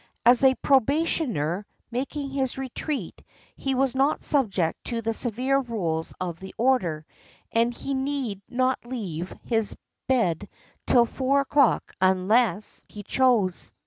As a probationer making his retreat he was not subject to the severe rules of the order, and he need not leave his bed till four o'clock unless he chose.